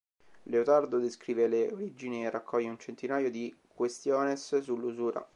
Leotardo descrive le origini e raccoglie un centinaio di "quaestiones" sull'usura.